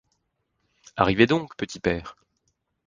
Arrivez donc, petit père!